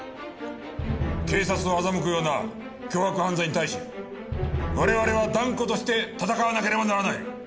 警察を欺くような凶悪犯罪に対し我々は断固として戦わなければならない。